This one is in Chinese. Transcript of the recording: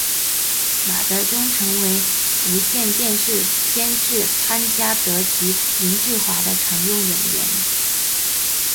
马德钟曾为无线电视监制潘嘉德及林志华的常用演员。